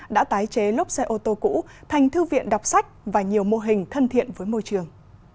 đã tái chế lốp xe ô tô cũ thành thư viện đọc sách và nhiều mô hình thân thiện với môi trường